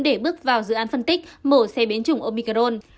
để bước vào dự án phân tích mổ xe biến chủng omicron